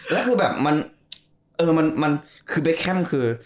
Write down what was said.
และคือแบบเออมันคือเบ็ดแคมป์คือ